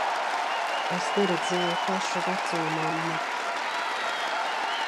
Es neredzēju pašu vecomammu.